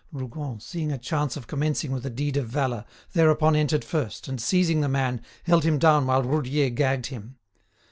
Rougon, seeing a chance of commencing with a deed of valour, thereupon entered first, and, seizing the man, held him down while Roudier gagged him.